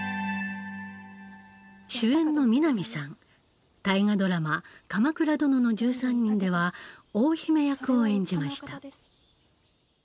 主演の南さん大河ドラマ「鎌倉殿の１３人」では大姫役を演じました。